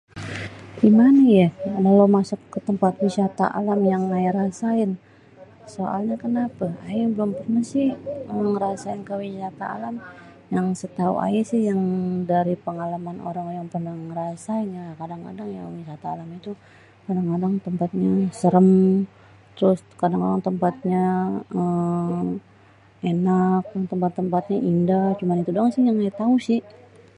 Gimane ye kalau masuk ke tempat wisata alam yang ayé rasain, soalnye kenape ayé belom perneh si belom ngerasain ke wisata alam, yang setau aye si yang dari pengalaman orang-orang perneh rasain ya kadang-kadang ya wisata alam itu kadang-kadang tempatnya serem, terus kadang-kadang tempatnye eee enak tempat-tempatnyé indah cuman itu doang si yang aye tau si.